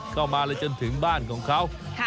เข้ามาเลยจนถึงบ้านของเขา